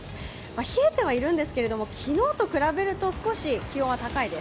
冷えてはいるんですけれども、昨日と比べると少し気温は高いです。